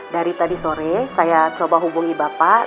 dari tadi sore saya coba hubungi bapak